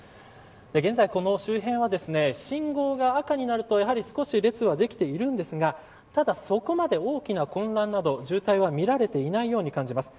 現在、周辺は信号が赤になると列はできているんですがただ、そこまで大きな混乱など渋滞はみられていないように感じます。